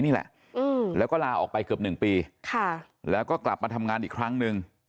อกฎแล้วก็ลาออกไปกับ๑ปีแล้วก็กลับมาทำงานอีกครั้งนึง